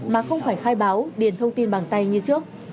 mà không phải khai báo điền thông tin bằng tay như trước